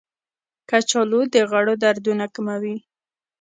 کچالو د غړو دردونه کموي.